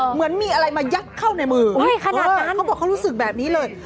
เหมือนมีอะไรมายัดเข้าในมือขนาดนั้นเขาบอกเขารู้สึกแบบนี้เลย